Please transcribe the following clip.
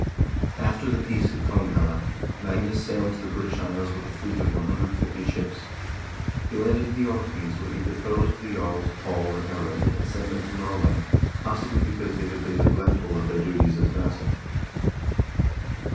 After the peace at Konghelle, Magnus sailed to the British Isles with a fleet of 150 ships. He landed in the Orkneys, where he de posed the jarls Paul and Erlend, and sent them to Norway, possibly, because they had been neglectful of their duties as vassals.